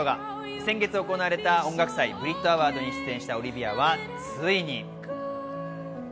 先月行われた音楽祭・ブリットアワードに出演したオリヴィアはついに。